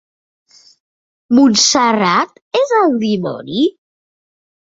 Montserrat és el dimoni?